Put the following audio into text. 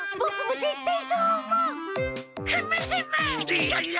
いやいや！